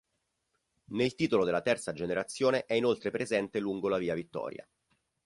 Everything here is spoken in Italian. Nel titolo della terza generazione è inoltre presente lungo la Via Vittoria.